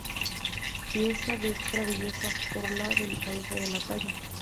Pieza de extrema belleza por la delicadeza de la talla.